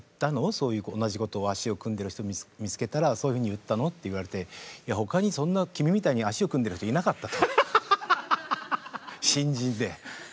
そういう足を組んでる人見つけたらそういうふうに言ったの？って言われて他に君みたいに足を組んでる人いなかったと新人で。